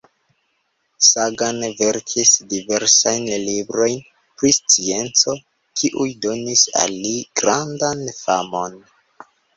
Sagan verkis diversajn librojn, pri scienco, kiuj donis al li grandan famon.